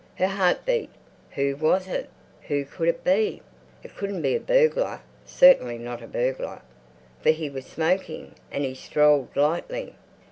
Her heart beat. Who was it? Who could it be? It couldn't be a burglar, certainly not a burglar, for he was smoking and he strolled lightly.